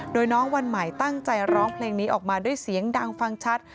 โดยน้องวันใหม่ตั้งใจร้องเพลงนี้ออกมาด้วยเสียงดังฟังชัด